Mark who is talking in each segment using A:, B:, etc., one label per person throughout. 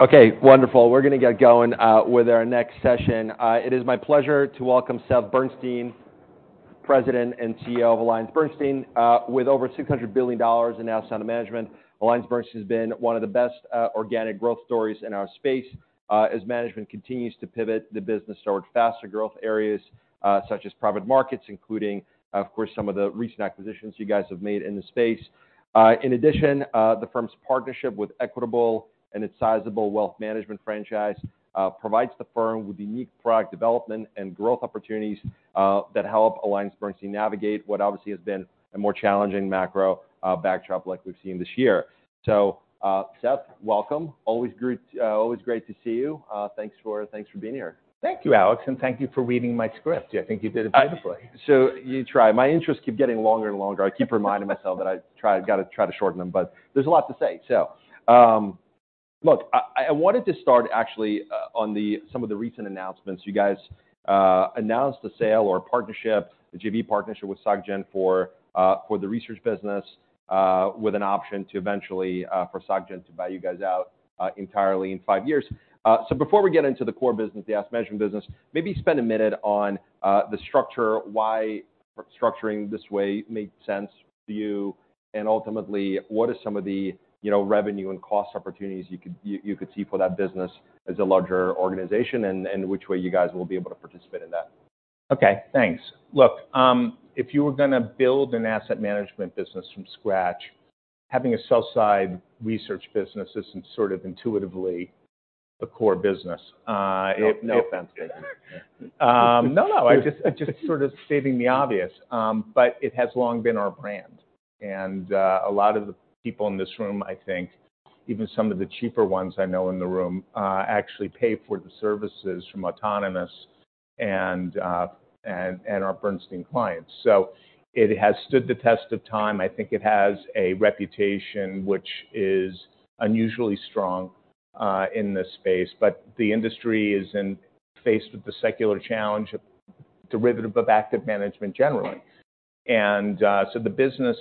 A: Okay, wonderful. We're gonna get going with our next session. It is my pleasure to welcome Seth Bernstein, President and CEO of AllianceBernstein. With over $200 billion in assets under management, AllianceBernstein has been one of the best organic growth stories in our space, as management continues to pivot the business towards faster growth areas, such as private markets, including, of course, some of the recent acquisitions you guys have made in the space. In addition, the firm's partnership with Equitable and its sizable wealth management franchise, provides the firm with unique product development and growth opportunities, that help AllianceBernstein navigate what obviously has been a more challenging macro backdrop like we've seen this year. Seth, welcome. Always great to see you. Thanks for being here.
B: Thank you, Alex. Thank you for reading my script. I think you did it beautifully.
A: You try. My interests keep getting longer and longer. I keep reminding myself that I gotta try to shorten them, but there's a lot to say. Look, I wanted to start actually on some of the recent announcements. You guys announced a sale or a partnership, a JV partnership with Société Générale for the research business with an option to eventually for Société Générale to buy you guys out entirely in 5 years. Before we get into the core business, the asset management business, maybe spend a minute on the structure, why structuring this way made sense for you, and ultimately, what are some of the, you know, revenue and cost opportunities you could see for that business as a larger organization, and which way you guys will be able to participate in that.
B: Okay, thanks. Look, if you were gonna build an asset management business from scratch, having a sell-side research business isn't sort of intuitively the core business.
A: No offense taken.
B: No, no. I just, I'm just sort of stating the obvious. It has long been our brand. A lot of the people in this room, I think, even some of the cheaper ones I know in the room, actually pay for the services from Autonomous and our Bernstein clients. It has stood the test of time. I think it has a reputation which is unusually strong in this space. The industry is faced with the secular challenge of derivative of active management generally. The business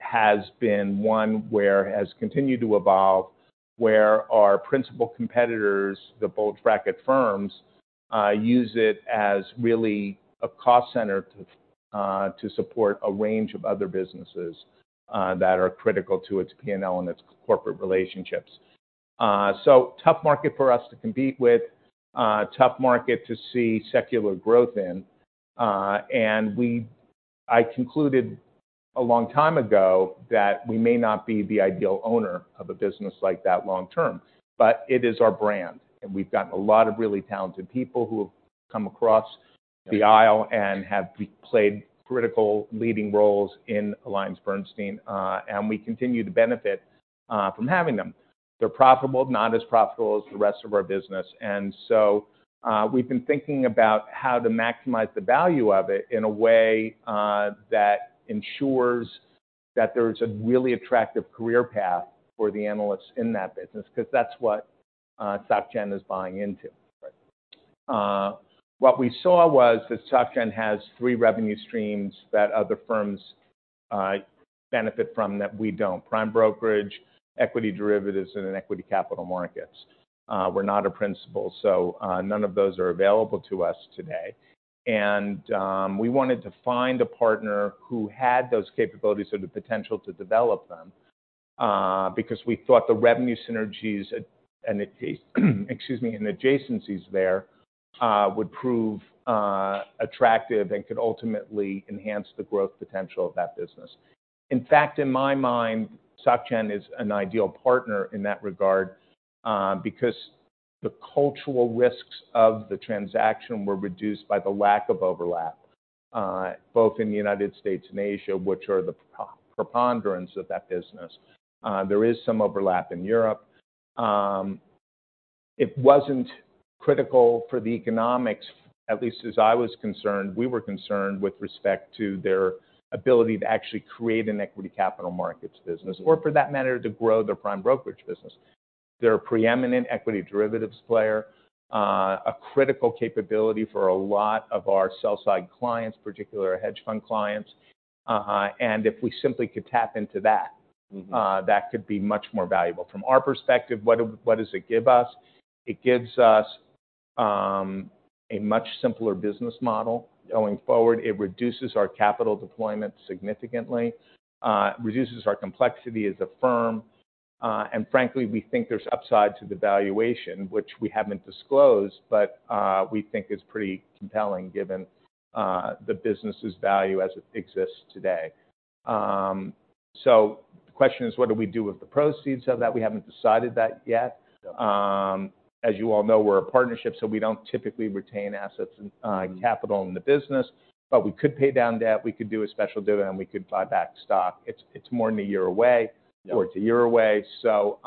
B: has been one where it has continued to evolve, where our principal competitors, the bulge bracket firms, use it as really a cost center to support a range of other businesses that are critical to its P&L and its corporate relationships. Tough market for us to compete with. Tough market to see secular growth in. I concluded a long time ago that we may not be the ideal owner of a business like that long term, but it is our brand, and we've gotten a lot of really talented people who have come across the aisle and have played critical leading roles in AllianceBernstein, and we continue to benefit from having them. They're profitable, not as profitable as the rest of our business. We've been thinking about how to maximize the value of it in a way that ensures that there's a really attractive career path for the analysts in that business, 'cause that's what Soc Gen is buying into.
A: Right.
B: What we saw was that Société Générale has three revenue streams that other firms benefit from that we don't: prime brokerage, equity derivatives, and then equity capital markets. We're not a principal, so none of those are available to us today. We wanted to find a partner who had those capabilities or the potential to develop them because we thought the revenue synergies and, excuse me, and adjacencies there would prove attractive and could ultimately enhance the growth potential of that business. In fact, in my mind, Société Générale is an ideal partner in that regard because the cultural risks of the transaction were reduced by the lack of overlap both in the United States and Asia, which are the preponderance of that business. There is some overlap in Europe. It wasn't critical for the economics, at least as I was concerned. We were concerned with respect to their ability to actually create an equity capital markets business, or for that matter, to grow their prime brokerage business. They're a preeminent equity derivatives player, a critical capability for a lot of our sell-side clients, particularly our hedge fund clients. If we simply could tap into that-
A: Mm-hmm...
B: that could be much more valuable. From our perspective, what does it give us? It gives us a much simpler business model going forward. It reduces our capital deployment significantly, reduces our complexity as a firm, frankly, we think there's upside to the valuation, which we haven't disclosed, but we think is pretty compelling given the business's value as it exists today. The question is, what do we do with the proceeds of that? We haven't decided that yet. As you all know, we're a partnership, we don't typically retain assets and capital in the business, we could pay down debt, we could do a special dividend, we could buy back stock. It's more than a year away-
A: Yeah
B: or it's a year away, so,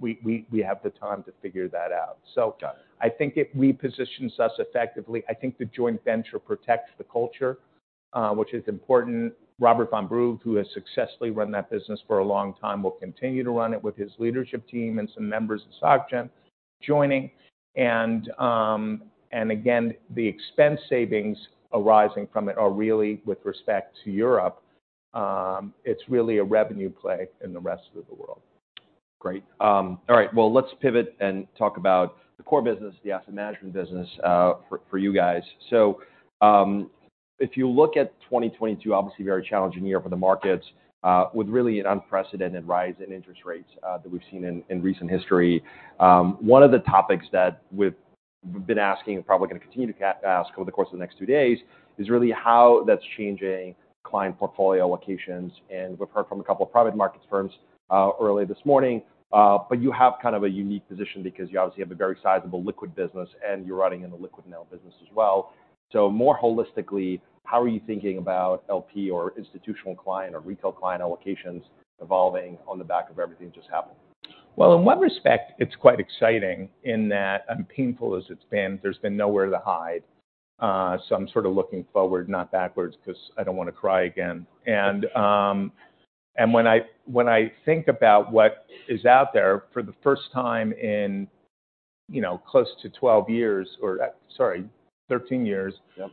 B: we have the time to figure that out.
A: Got it.
B: I think it repositions us effectively. I think the joint venture protects the culture, which is important. Robert van Brugge, who has successfully run that business for a long time, will continue to run it with his leadership team and some members of Société Générale joining. Again, the expense savings arising from it are really with respect to Europe. It's really a revenue play in the rest of the world.
A: Great. All right. Well, let's pivot and talk about the core business, the asset management business for you guys. If you look at 2022, obviously a very challenging year for the markets, with really an unprecedented rise in interest rates that we've seen in recent history. One of the topics that we've been asking, and probably gonna continue to ask over the course of the next 2 days, is really how that's changing client portfolio allocations. We've heard from a couple of private markets firms earlier this morning, but you have kind of a unique position because you obviously have a very sizable liquid business and you're running in the liquid mail business as well. More holistically, how are you thinking about LP or institutional client or retail client allocations evolving on the back of everything that just happened?
B: Well, in one respect, it's quite exciting in that, and painful as it's been, there's been nowhere to hide. I'm sort of looking forward, not backwards, 'cause I don't wanna cry again. When I think about what is out there for the first time in, you know, close to 12 years, or sorry, 13 years.
A: Yep...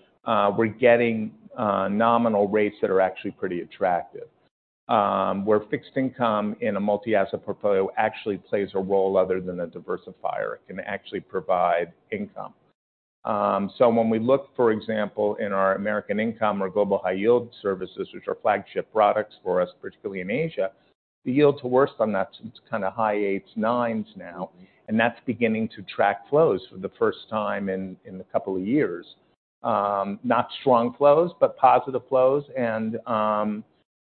B: we're getting nominal rates that are actually pretty attractive. Where fixed income in a multi-asset portfolio actually plays a role other than a diversifier. It can actually provide income. So when we look, for example, in our American Income or Global High Yield services, which are flagship products for us, particularly in Asia, the yield to worst on that's kind of high eights, nines now, and that's beginning to track flows for the first time in a couple of years. Not strong flows, but positive flows.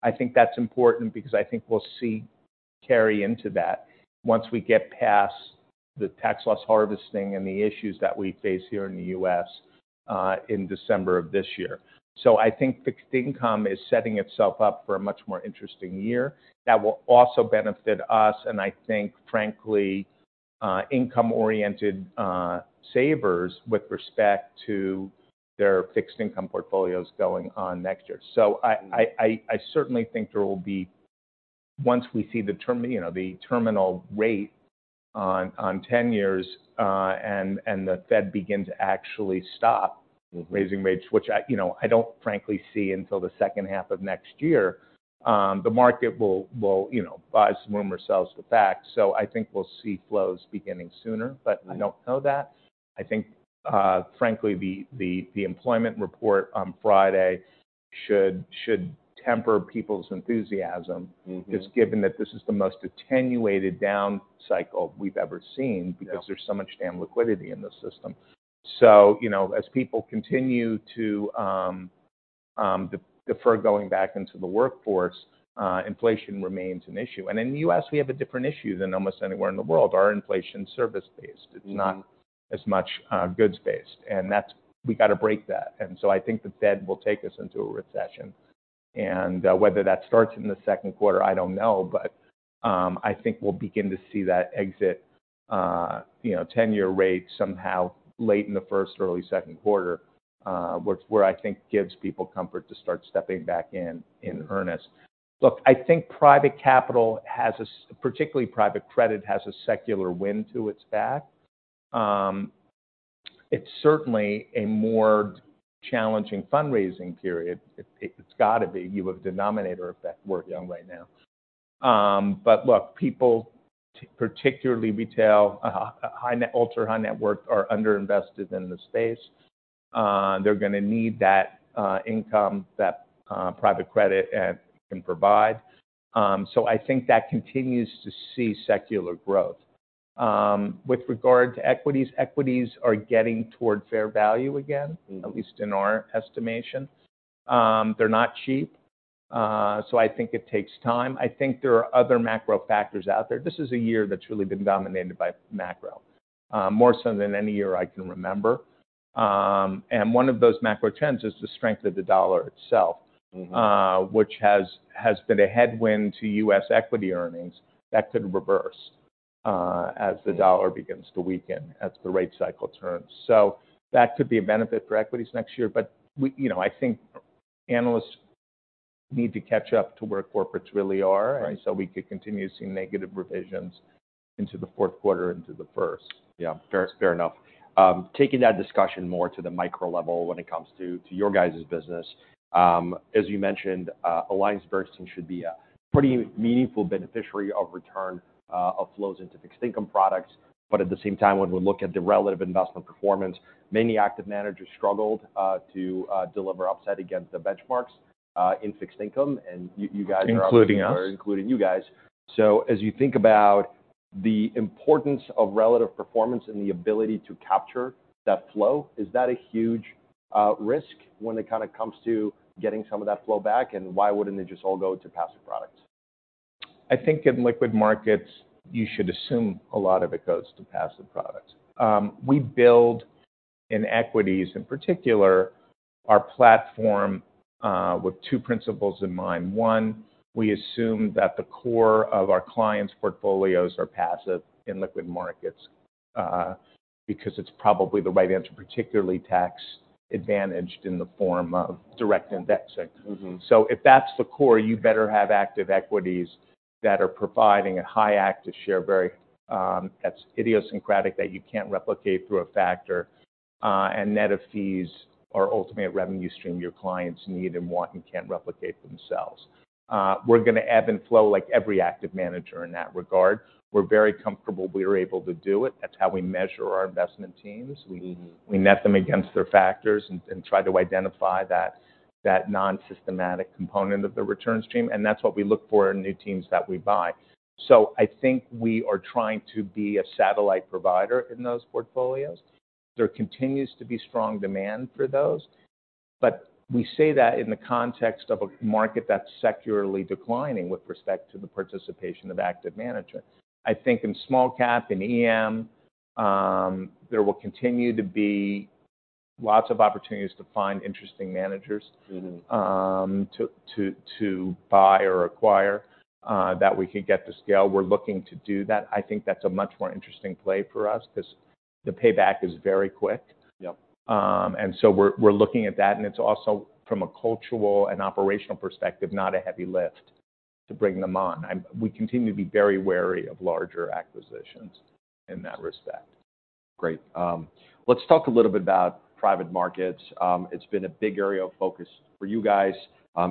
B: I think that's important because I think we'll see carry into that once we get past the tax loss harvesting and the issues that we face here in the U.S. in December of this year. I think fixed income is setting itself up for a much more interesting year that will also benefit us, and I think frankly, income-oriented, savers with respect to their fixed income portfolios going on next year.
A: Mm-hmm.
B: I certainly think there will be. Once we see you know, the terminal rate on 10 years, and the Fed begins to actually stop.
A: Mm-hmm...
B: raising rates, which I, you know, I don't frankly see until the second half of next year, the market will, you know, buys the rumor, sells the fact. I think we'll see flows beginning sooner, but I don't know that. I think, frankly, the employment report on Friday should temper people's enthusiasm.
A: Mm-hmm.
B: Just given that this is the most attenuated down cycle we've ever seen.
A: Yeah...
B: because there's so much damn liquidity in the system. You know, as people continue to defer going back into the workforce, inflation remains an issue. In the U.S., we have a different issue than almost anywhere in the world. Our inflation is service-based.
A: Mm-hmm.
B: It's not as much goods-based. That's we got to break that. I think the Fed will take us into a recession. Whether that starts in the second quarter, I don't know. I think we'll begin to see that exit, you know, 10-year rate somehow late in the first, early second quarter, where I think gives people comfort to start stepping back in earnest. Look, I think private capital has particularly private credit, has a secular wind to its back. It's certainly a more challenging fundraising period. It's gotta be. You have a denominator effect working right now. But look, people, particularly retail, ultra-high net worth, are underinvested in the space. They're gonna need that income that private credit can provide. I think that continues to see secular growth. With regard to equities are getting toward fair value again.
A: Mm-hmm...
B: at least in our estimation. They're not cheap, I think it takes time. I think there are other macro factors out there. This is a year that's really been dominated by macro, more so than any year I can remember. One of those macro trends is the strength of the dollar itself.
A: Mm-hmm...
B: which has been a headwind to U.S. equity earnings. That could reverse, as the dollar begins to weaken, as the rate cycle turns. That could be a benefit for equities next year. You know, I think analysts need to catch up to where corporates really are.
A: Right.
B: We could continue to see negative revisions into the fourth quarter, into the first.
A: Yeah. Fair enough. Taking that discussion more to the micro level when it comes to your guys' business, as you mentioned, AllianceBernstein should be a pretty meaningful beneficiary of return of flows into fixed income products. At the same time, when we look at the relative investment performance, many active managers struggled to deliver upside against the benchmarks in fixed income. You guys are-
B: Including us.
A: Including you guys. As you think about the importance of relative performance and the ability to capture that flow, is that a huge risk when it kind of comes to getting some of that flow back? Why wouldn't it just all go to passive products?
B: I think in liquid markets, you should assume a lot of it goes to passive products. We build in equities, in particular, our platform, with two principles in mind. One, we assume that the core of our clients' portfolios are passive in liquid markets, because it's probably the right answer, particularly tax-advantaged in the form of direct indexing.
A: Mm-hmm.
B: If that's the core, you better have active equities that are providing a high active share, very, that's idiosyncratic, that you can't replicate through a factor. Net of fees are ultimately a revenue stream your clients need and want and can't replicate themselves. We're gonna ebb and flow like every active manager in that regard. We're very comfortable we're able to do it. That's how we measure our investment teams.
A: Mm-hmm.
B: We net them against their factors and try to identify that nonsystematic component of the return stream, and that's what we look for in new teams that we buy. I think we are trying to be a satellite provider in those portfolios. There continues to be strong demand for those. We say that in the context of a market that's secularly declining with respect to the participation of active management. I think in small cap and EM, there will continue to be lots of opportunities to find interesting managers.
A: Mm-hmm...
B: to buy or acquire, that we could get to scale. We're looking to do that. I think that's a much more interesting play for us 'cause the payback is very quick.
A: Yep.
B: We're looking at that, it's also from a cultural and operational perspective, not a heavy lift to bring them on. We continue to be very wary of larger acquisitions in that respect.
A: Great. Let's talk a little bit about private markets. It's been a big area of focus for you guys,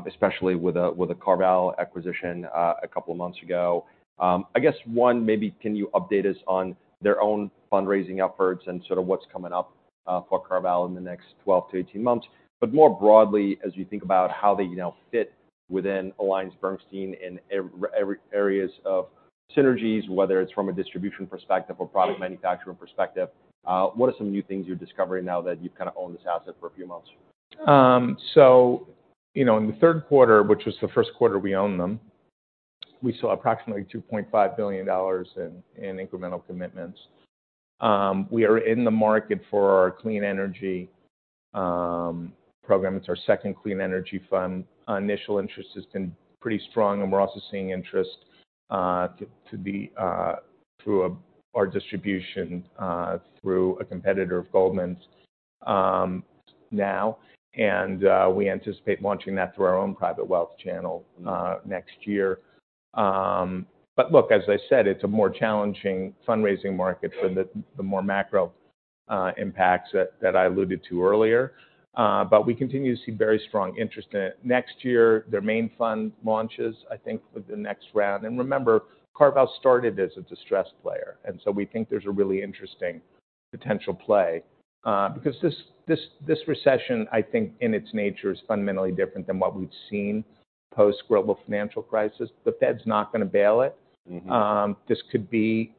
A: especially with the CarVal acquisition, a couple of months ago. I guess one, maybe can you update us on their own fundraising efforts and sort of what's coming up for CarVal in the next 12-18 months? More broadly, as you think about how they now fit within AllianceBernstein in every areas of synergies, whether it's from a distribution perspective or product manufacturing perspective, what are some new things you're discovering now that you've kind of owned this asset for a few months?
B: You know, in the third quarter, which was the first quarter we owned them, we saw approximately $2.5 billion in incremental commitments. We are in the market for our clean energy program. It's our second clean energy fund. Initial interest has been pretty strong, we're also seeing interest to be through our distribution through a competitor of Goldman's now. We anticipate launching that through our own private wealth channel next year. Look, as I said, it's a more challenging fundraising market for the more macro impacts that I alluded to earlier. We continue to see very strong interest in it. Next year, their main fund launches, I think, with the next round. Remember, CarVal started as a distressed player, we think there's a really interesting potential play, because this recession, I think in its nature is fundamentally different than what we've seen post-Global Financial Crisis. The Fed's not gonna bail it.
A: Mm-hmm.
B: This could be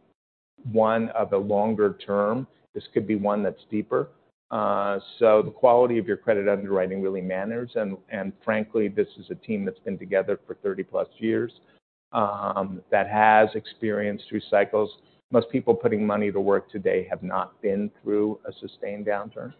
B: one of a longer term. This could be one that's deeper. The quality of your credit underwriting really matters. Frankly, this is a team that's been together for 30+ years that has experienced through cycles. Most people putting money to work today have not been through a sustained downturn.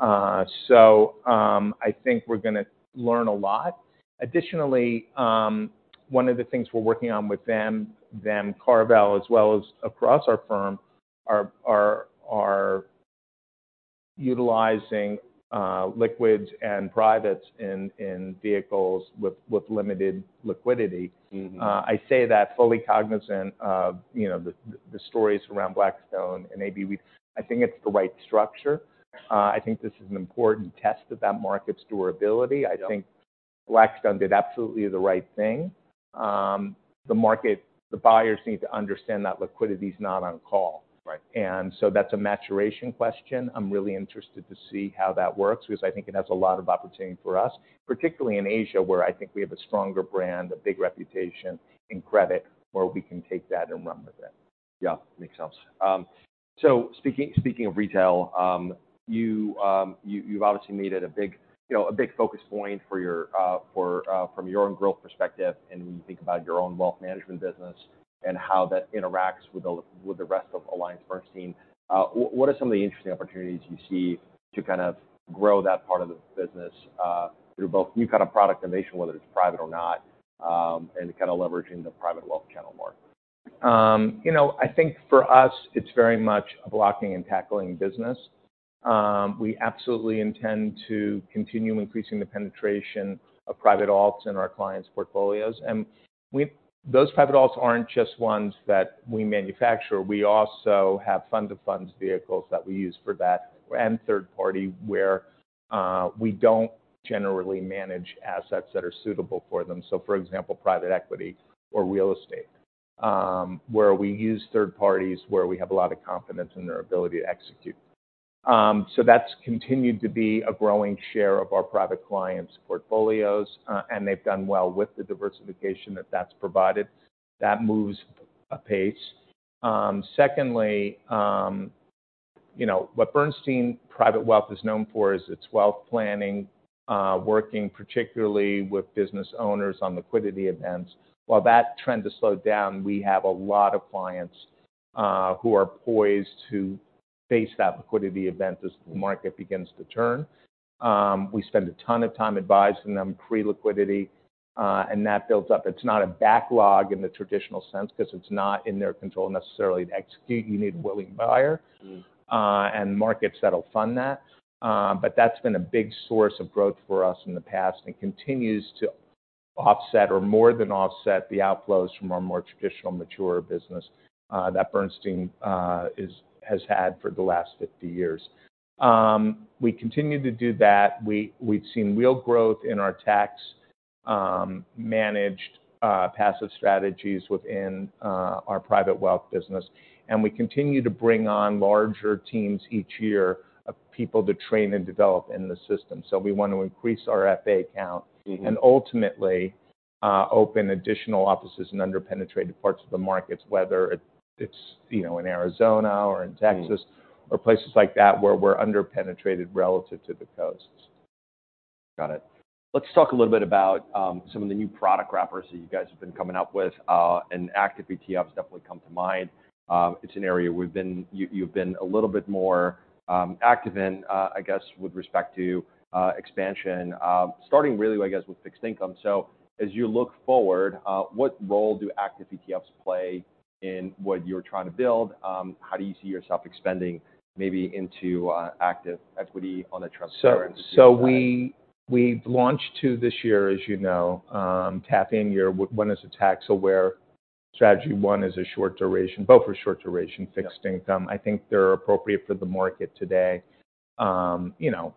B: I think we're gonna learn a lot. Additionally, one of the things we're working on with them CarVal as well as across our firm are utilizing liquids and privates in vehicles with limited liquidity.
A: Mm-hmm.
B: I say that fully cognizant of, you know, the stories around Blackstone and AB. I think it's the right structure. I think this is an important test of that market's durability.
A: Yeah.
B: I think Blackstone did absolutely the right thing. The buyers need to understand that liquidity is not on call.
A: Right.
B: That's a maturation question. I'm really interested to see how that works because I think it has a lot of opportunity for us, particularly in Asia, where I think we have a stronger brand, a big reputation in credit where we can take that and run with it.
A: Yeah. Makes sense. Speaking of retail, you've obviously made it a big, you know, a big focus point for your, from your own growth perspective and when you think about your own wealth management business and how that interacts with the rest of AllianceBernstein. What are some of the interesting opportunities you see to kind of grow that part of the business, through both new kind of product innovation, whether it's private or not, and kind of leveraging the private wealth channel more?
B: You know, I think for us it's very much a blocking and tackling business. We absolutely intend to continue increasing the penetration of private alts in our clients' portfolios. Those private alts aren't just ones that we manufacture. We also have fund of funds vehicles that we use for that and third party where we don't generally manage assets that are suitable for them. For example, private equity or real estate, where we use third parties, where we have a lot of confidence in their ability to execute. That's continued to be a growing share of our private clients' portfolios, and they've done well with the diversification that that's provided. That moves apace. Secondly, you know, what Bernstein Private Wealth is known for is its wealth planning, working particularly with business owners on liquidity events. While that trend has slowed down, we have a lot of clients, who are poised to face that liquidity event as the market begins to turn. We spend a ton of time advising them pre-liquidity, and that builds up. It's not a backlog in the traditional sense 'cause it's not in their control necessarily to execute. You need a willing buyer.
A: Mm-hmm...
B: and markets that'll fund that. That's been a big source of growth for us in the past and continues to offset or more than offset the outflows from our more traditional mature business, that Bernstein has had for the last 50 years. We continue to do that. We've seen real growth in our tax managed passive strategies within our private wealth business. We continue to bring on larger teams each year of people to train and develop in the system. We want to increase our FA count.
A: Mm-hmm...
B: and ultimately, open additional offices in under-penetrated parts of the markets, whether it's, you know, in Arizona or in Texas.
A: Mm
B: or places like that where we're under-penetrated relative to the coasts.
A: Got it. Let's talk a little bit about some of the new product wrappers that you guys have been coming up with. Active ETFs definitely come to mind. It's an area you've been a little bit more active in, I guess, with respect to expansion, starting really, I guess, with fixed income. As you look forward, what role do active ETFs play in what you're trying to build? How do you see yourself expanding maybe into active equity on the transfer end of things?
B: We've launched two this year, as you know, tapping your. One is a tax-aware strategy, one is a short duration, both are short duration, fixed income.
A: Yeah.
B: I think they're appropriate for the market today. You know,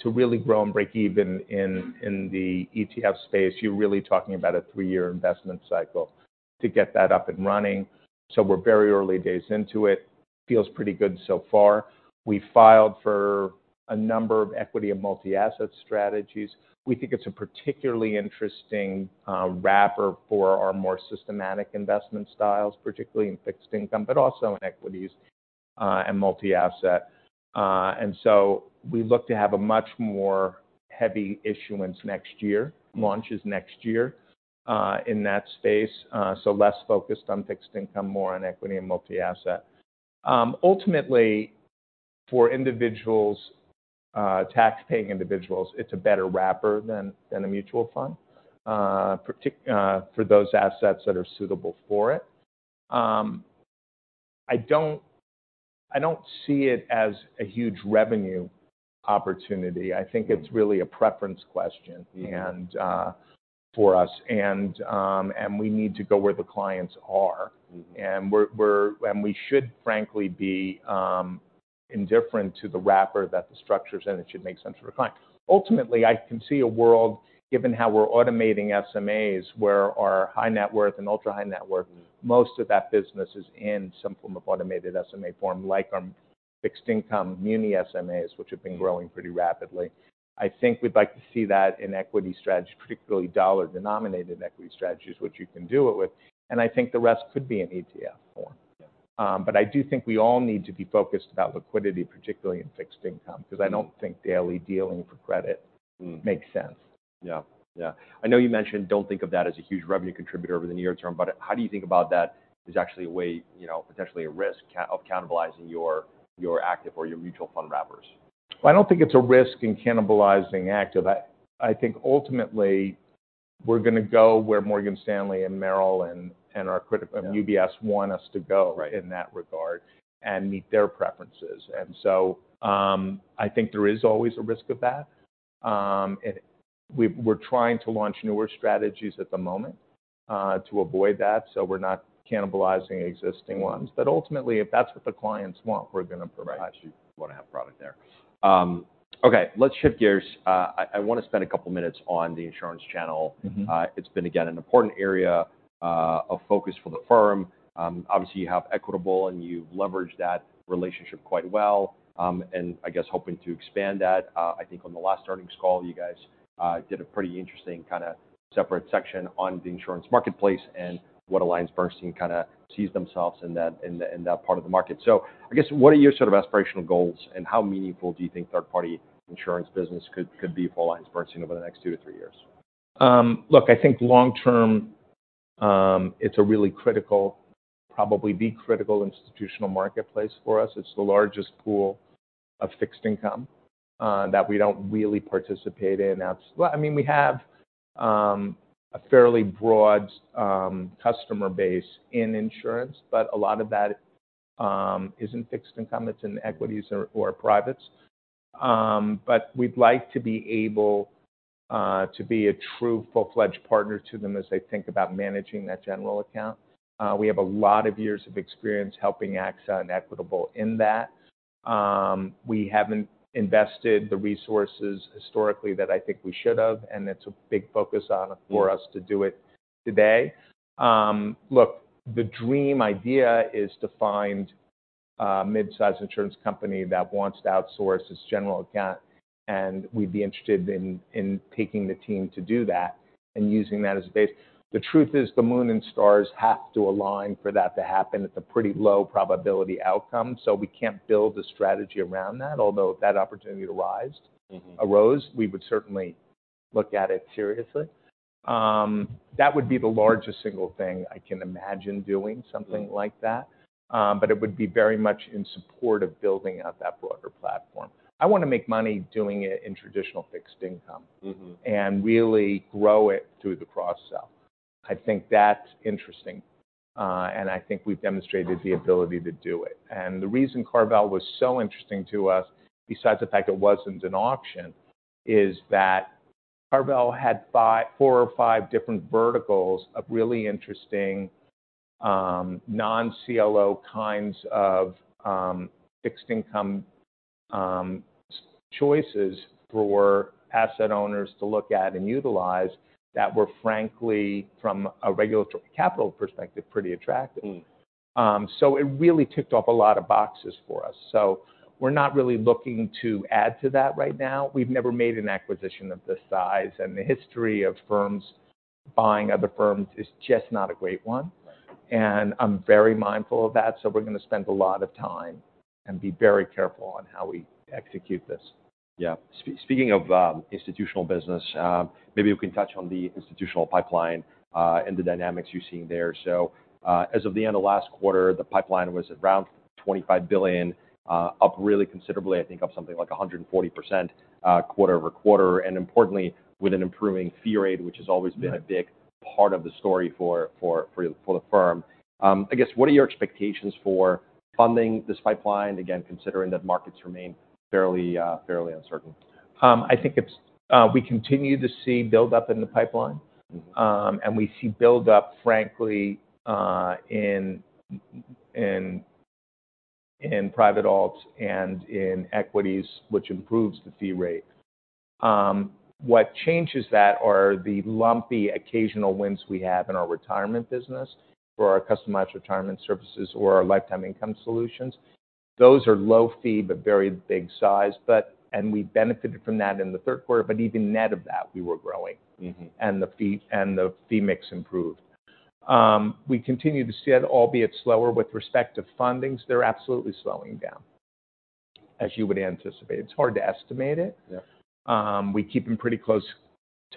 B: to really grow and break even in the ETF space, you're really talking about a 3-year investment cycle to get that up and running, so we're very early days into it. Feels pretty good so far. We filed for a number of equity and multi-asset strategies. We think it's a particularly interesting wrapper for our more systematic investment styles, particularly in fixed income, but also in equities and multi-asset. We look to have a much more heavy issuance next year, launches next year, in that space. Less focused on fixed income, more on equity and multi-asset. Ultimately, for individuals, tax-paying individuals, it's a better wrapper than a mutual fund for those assets that are suitable for it. I don't see it as a huge revenue opportunity.
A: Mm.
B: I think it's really a preference question...
A: Yeah...
B: and, for us. We need to go where the clients are.
A: Mm-hmm.
B: We should frankly be indifferent to the wrapper that the structure's in. It should make sense for the client. Ultimately, I can see a world, given how we're automating SMAs, where our high net worth and ultra-high net worth.
A: Mm...
B: most of that business is in some form of automated SMA form, like our fixed income muni SMAs, which have been growing pretty rapidly. I think we'd like to see that in equity strategy, particularly dollar-denominated equity strategies, which you can do it with, and I think the rest could be in ETF form.
A: Yeah.
B: I do think we all need to be focused about liquidity, particularly in fixed income, because I don't think daily dealing for credit.
A: Mm
B: makes sense.
A: Yeah. Yeah. I know you mentioned don't think of that as a huge revenue contributor over the near term, but how do you think about that as actually a way, you know, potentially a risk of cannibalizing your active or your mutual fund wrappers?
B: I don't think it's a risk in cannibalizing active. I think ultimately we're gonna go where Morgan Stanley and Merrill.
A: Yeah
B: UBS want us to.
A: Right...
B: in that regard and meet their preferences. I think there is always a risk of that. We're trying to launch newer strategies at the moment to avoid that, so we're not cannibalizing existing ones. Ultimately, if that's what the clients want, we're gonna provide.
A: I see. Wanna have product there. Okay, I wanna spend a couple minutes on the insurance channel.
B: Mm-hmm.
A: It's been, again, an important area of focus for the firm. Obviously you have Equitable, and you've leveraged that relationship quite well, I guess hoping to expand that. I think on the last earnings call, you guys did a pretty interesting kinda separate section on the insurance marketplace and what AllianceBernstein kinda sees themselves in that part of the market. I guess what are your sort of aspirational goals, and how meaningful do you think third-party insurance business could be for AllianceBernstein over the next 2-3 years?
B: Look, I think long term, it's a really critical, probably the critical institutional marketplace for us. It's the largest pool of fixed income that we don't really participate in. Well, I mean, we have a fairly broad customer base in insurance, but a lot of that is in fixed income, it's in equities or privates. We'd like to be able to be a true full-fledged partner to them as they think about managing that general account. We have a lot of years of experience helping AXA and Equitable in that. We haven't invested the resources historically that I think we should have, and it's a big focus on-
A: Mm...
B: for us to do it today. Look, the dream idea is to find a midsize insurance company that wants to outsource its general account, and we'd be interested in taking the team to do that and using that as a base. The truth is, the moon and stars have to align for that to happen. It's a pretty low probability outcome, so we can't build a strategy around that, although if that opportunity arised-
A: Mm-hmm...
B: arose, we would certainly look at it seriously. That would be the largest single thing I can imagine doing.
A: Mm...
B: something like that. It would be very much in support of building out that broader platform. I wanna make money doing it in traditional fixed income...
A: Mm-hmm...
B: and really grow it through the cross-sell. I think that's interesting, and I think we've demonstrated the ability to do it. The reason CarVal was so interesting to us, besides the fact it wasn't an auction, is that CarVal had four or five different verticals of really interesting, non-CLO kinds of fixed income, choices for asset owners to look at and utilize that were frankly from a regulatory capital perspective, pretty attractive.
A: Mm.
B: It really ticked off a lot of boxes for us. We're not really looking to add to that right now. We've never made an acquisition of this size, the history of firms buying other firms is just not a great one. I'm very mindful of that, we're gonna spend a lot of time and be very careful on how we execute this.
A: Speaking of institutional business, maybe you can touch on the institutional pipeline and the dynamics you're seeing there. As of the end of last quarter, the pipeline was around $25 billion, up really considerably, I think up something like 140% quarter-over-quarter, and importantly with an improving fee rate, which has always been...
B: Right...
A: a big part of the story for the firm. I guess, what are your expectations for funding this pipeline? Again, considering that markets remain fairly uncertain.
B: We continue to see build up in the pipeline.
A: Mm-hmm.
B: We see build up, frankly, in private alts and in equities, which improves the fee rate. What changes that are the lumpy occasional wins we have in our retirement business for our Customized Retirement Services or our Lifetime Income Solutions. Those are low fee but very big size. We benefited from that in the third quarter, but even net of that, we were growing.
A: Mm-hmm.
B: The fee mix improved. We continue to see it albeit slower with respect to fundings. They're absolutely slowing down, as you would anticipate. It's hard to estimate it.
A: Yeah.
B: We keep in pretty close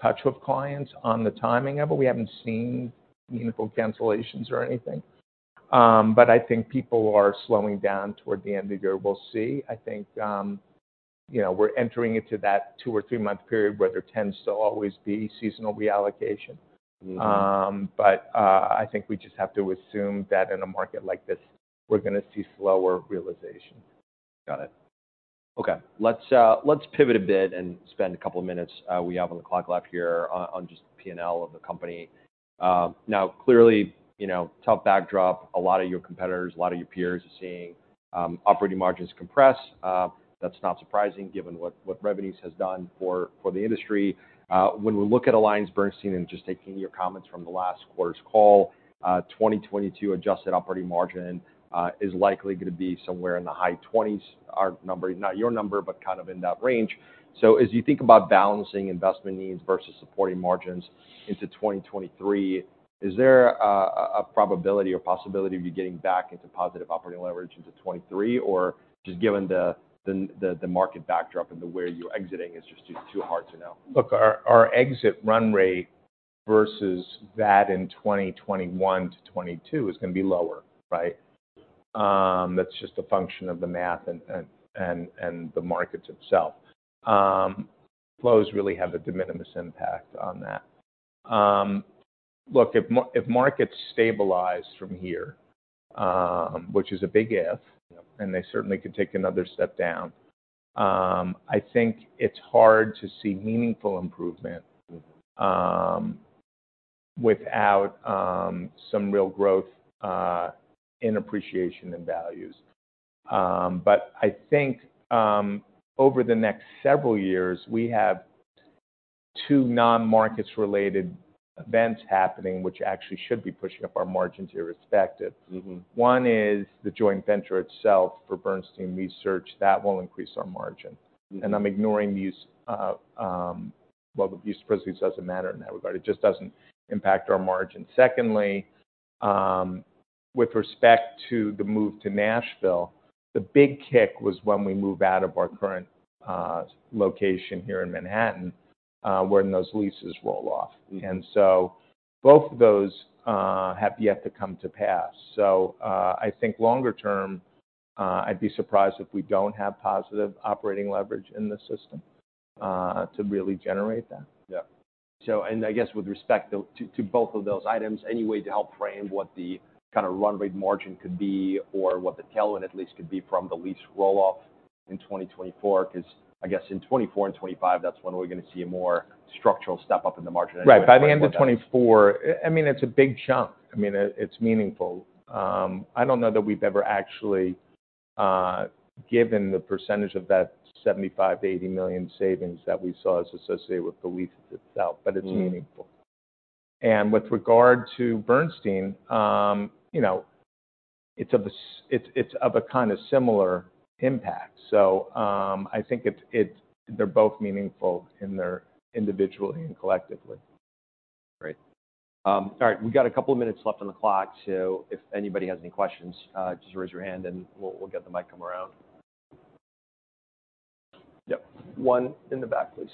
B: touch with clients on the timing of it. We haven't seen meaningful cancellations or anything. I think people are slowing down toward the end of the year. We'll see. I think, you know, we're entering into that 2 or 3-month period where there tends to always be seasonal reallocation.
A: Mm-hmm.
B: I think we just have to assume that in a market like this, we're gonna see slower realization.
A: Got it. Okay. Let's pivot a bit and spend a couple of minutes we have on the clock left here on just the P&L of the company. Now, clearly, you know, tough backdrop, a lot of your competitors, a lot of your peers are seeing operating margins compress. That's not surprising given what revenues has done for the industry. When we look at AllianceBernstein and just taking your comments from the last quarter's call, 2022 adjusted operating margin is likely gonna be somewhere in the high 20s. Our number, not your number, but kind of in that range. As you think about balancing investment needs versus supporting margins into 2023, is there a probability or possibility of you getting back into positive operating leverage into 2023, or just given the market backdrop and the way you're exiting is just too hard to know?
B: Our exit run rate versus that in 2021-2022 is gonna be lower, right? That's just a function of the math and the markets itself. Flows really have a de minimis impact on that. Look, if markets stabilize from here, which is a big if.
A: Yeah
B: They certainly could take another step down, I think it's hard to see meaningful improvement, without, some real growth, in appreciation and values. I think, over the next several years, we have 2 non-markets related events happening, which actually should be pushing up our margins irrespective.
A: Mm-hmm.
B: One is the joint venture itself for Bernstein Research. That will increase our margin.
A: Mm-hmm.
B: I'm ignoring the use, Well, the use presumably doesn't matter in that regard. It just doesn't impact our margin. Secondly, with respect to the move to Nashville, the big kick was when we move out of our current location here in Manhattan, when those leases roll off.
A: Mm-hmm.
B: Both of those, have yet to come to pass. I think longer term, I'd be surprised if we don't have positive operating leverage in the system, to really generate that.
A: Yeah. I guess with respect to both of those items, any way to help frame what the kind of run rate margin could be or what the tailwind at least could be from the lease roll-off in 2024? Because I guess in 2024 and 2025, that's when we're going to see a more structural step up in the margin as you.
B: Right. By the end of 2024. I mean, it's a big chunk. I mean, it's meaningful. I don't know that we've ever actually given the percentage of that $75 million-$80 million savings that we saw is associated with the lease itself, but it's meaningful.
A: Mm-hmm.
B: With regard to Bernstein, you know, it's of a kind of similar impact. I think it's, they're both meaningful in their individually and collectively.
A: Great. All right. We've got a couple of minutes left on the clock, so if anybody has any questions, just raise your hand and we'll get the mic come around. Yep. One in the back, please.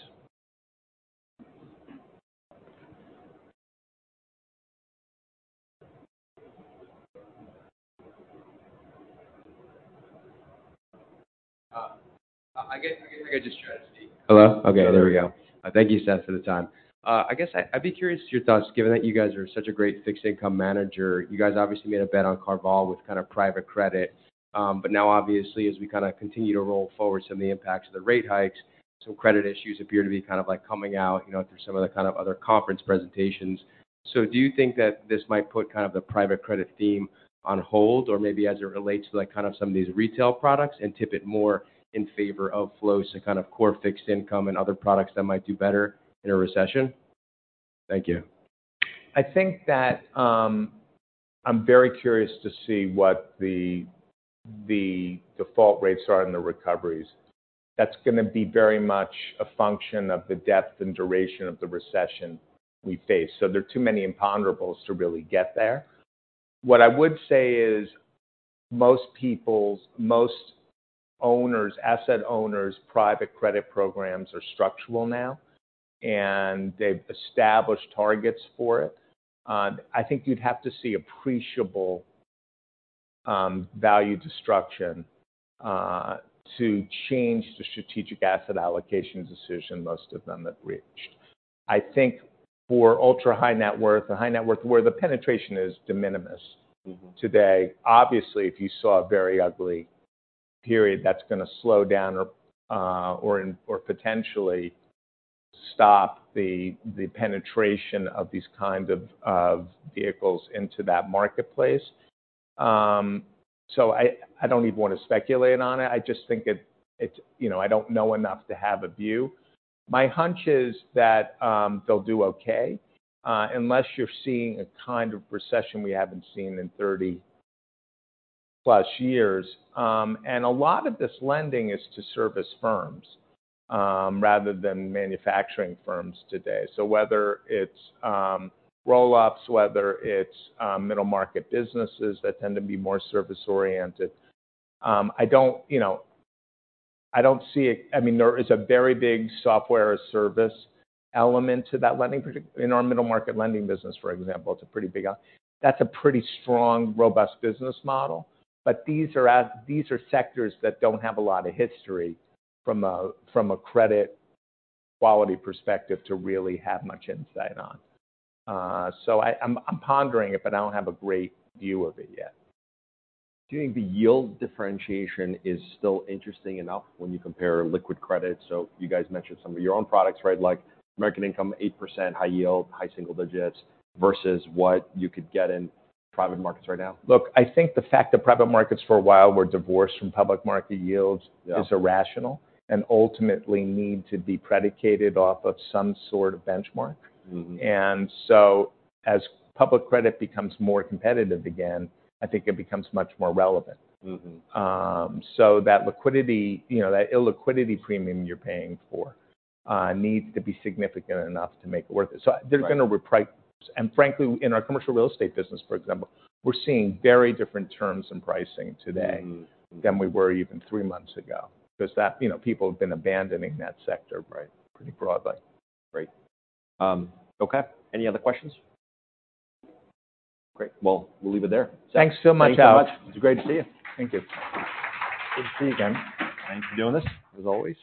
B: I get your strategy.
C: Hello? Okay, there we go. Thank you, Seth, for the time. I guess I'd be curious to your thoughts, given that you guys are such a great fixed income manager. You guys obviously made a bet on CarVal with kind of private credit. Now obviously, as we kinda continue to roll forward some of the impacts of the rate hikes, some credit issues appear to be kind of like coming out, you know, through some of the kind of other conference presentations. Do you think that this might put kind of the private credit theme on hold or maybe as it relates to, like, kind of some of these retail products and tip it more in favor of flows to kind of core fixed income and other products that might do better in a recession? Thank you.
B: I think that, I'm very curious to see what the default rates are in the recoveries. That's gonna be very much a function of the depth and duration of the recession we face. There are too many imponderables to really get there. What I would say is, most owners, asset owners, private credit programs are structural now, and they've established targets for it. I think you'd have to see appreciable value destruction to change the strategic asset allocation decision most of them have reached. I think for ultra high net worth and high net worth, where the penetration is de minimis.
C: Mm-hmm.
B: Today, obviously, if you saw a very ugly period that's gonna slow down or potentially stop the penetration of these kind of vehicles into that marketplace. I don't even wanna speculate on it. I just think it. You know, I don't know enough to have a view. My hunch is that they'll do okay unless you're seeing a kind of recession we haven't seen in 30+ years. A lot of this lending is to service firms rather than manufacturing firms today. Whether it's roll-ups, whether it's middle-market businesses that tend to be more service-oriented, I don't, you know, I don't see. I mean, there is a very big software service element to that lending project. In our middle-market lending business, for example, it's a pretty big one. That's a pretty strong, robust business model. These are sectors that don't have a lot of history from a credit quality perspective to really have much insight on. I'm pondering it, but I don't have a great view of it yet.
C: Do you think the yield differentiation is still interesting enough when you compare liquid credit? You guys mentioned some of your own products, right? Like American Income, 8% high yield, high single digits, versus what you could get in private markets right now.
B: Look, I think the fact that private markets for a while were divorced from public market yields.
C: Yeah.
B: Is irrational and ultimately need to be predicated off of some sort of benchmark.
C: Mm-hmm.
B: As public credit becomes more competitive again, I think it becomes much more relevant.
C: Mm-hmm.
B: That liquidity, you know, that illiquidity premium you're paying for, needs to be significant enough to make it worth it.
C: Right.
B: They're gonna reprice. Frankly, in our commercial real estate business, for example, we're seeing very different terms in pricing today.
C: Mm-hmm.
B: than we were even three months ago, 'cause that, you know, people have been abandoning that sector.
C: Right.
B: pretty broadly.
A: Great. Okay. Any other questions? Great. Well, we'll leave it there.
B: Thanks so much, Alex.
A: Thank you so much. It's great to see you.
B: Thank you. Good to see you again.
A: Thanks for doing this, as always.